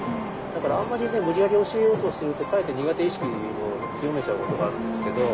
だからあんまり無理やり教えようとするとかえって苦手意識を強めちゃうことがあるんですけど。